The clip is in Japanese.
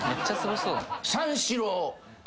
三四郎。